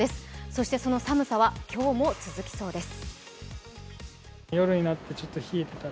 そしてその寒さは今日も続きそうです。